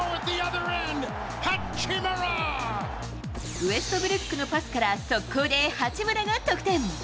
ウェストブルックのパスから、速攻で八村が得点。